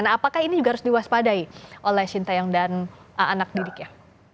nah apakah ini juga harus diwaspadai oleh shin taeyong dan anak didiknya